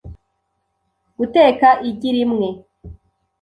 Guteka igi rimwe .